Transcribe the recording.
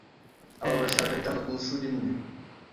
aba ashaka bitanu ku nshuro imwe